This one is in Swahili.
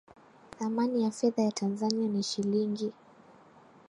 thamani ya fedha ya tanzania ni shilingi